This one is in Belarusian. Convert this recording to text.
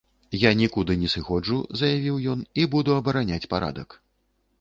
Я нікуды не сыходжу, заявіў ён, і буду абараняць парадак.